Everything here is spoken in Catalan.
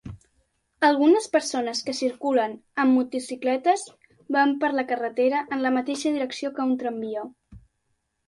Algunes persones que circulen amb motocicletes van per la carretera en la mateixa direcció que un tramvia.